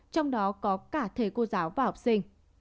trong đó có cả thầy cô giáo và học sinh